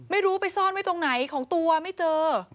ไม่รู้ไปซ่อนไว้ตรงไหนของตัวไม่เจอ